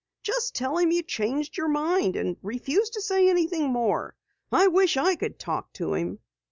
"Just tell him you changed your mind and refuse to say anything more. I wish I could talk to him."